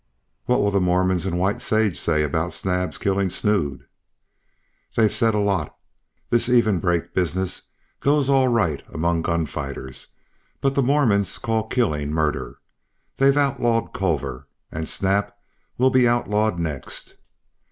"What will the Mormons in White Sage say about Snap's killing Snood?" "They've said a lot. This even break business goes all right among gun fighters, but the Mormons call killing murder. They've outlawed Culver, and Snap will be outlawed next."